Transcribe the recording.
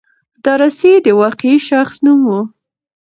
دارسي د واقعي شخص نوم و.